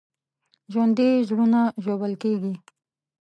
ژوندي زړونه ژوبل کېږي